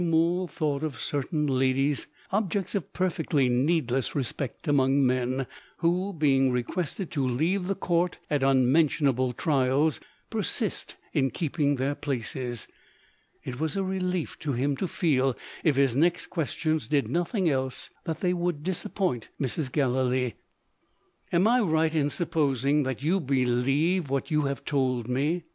Mool thought of certain "ladies" (objects of perfectly needless respect among men) who, being requested to leave the Court, at unmentionable Trials, persist in keeping their places. It was a relief to him to feel if his next questions did nothing else that they would disappoint Mrs. Galilee. "Am I right in supposing that you believe what you have told me?"